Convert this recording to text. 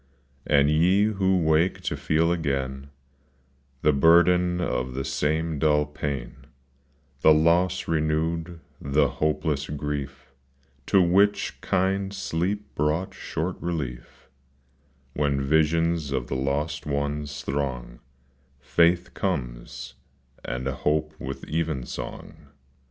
And ye who wake to feel again The burden of the same dull pain, The loss renewed, the hopeless grief, To which kind sleep brought short relief When visions of the lost ones throng, — Faith comes, and hope with even song.